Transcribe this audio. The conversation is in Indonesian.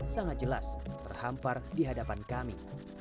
sangat jelas terhampar di hadapan kami